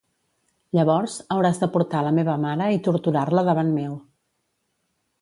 Llavors, hauràs de portar la meva mare i torturar-la davant meu.